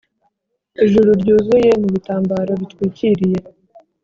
ijuru, ryuzuye mu bitambaro bitwikiriye,